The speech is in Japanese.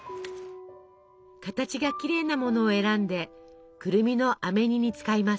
形がきれいなものを選んでくるみのあめ煮に使います。